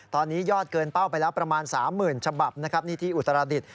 ตอนนี้ยอดเกินเป้าไปแล้วประมาณ๓๐๐๐ฉบับนะครับนี่ที่อุตรดิษฐ